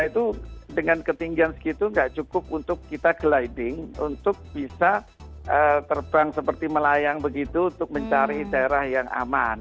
itu dengan ketinggian segitu nggak cukup untuk kita gliding untuk bisa terbang seperti melayang begitu untuk mencari daerah yang aman